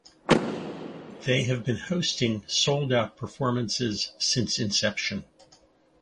They have been hosting sold out performances since inception.